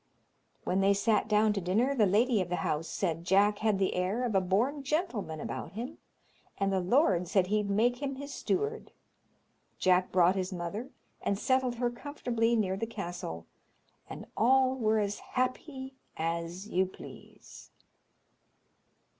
When they sat down to dinner, the lady of the house said Jack had the air of a born gentleman about him, and the lord said he'd make him his steward. Jack brought his mother, and settled her comfortably near the castle, and all were as happy as you please.